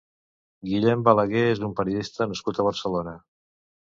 Guillem Balagué és un periodista nascut a Barcelona.